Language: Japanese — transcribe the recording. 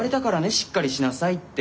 しっかりしなさいって。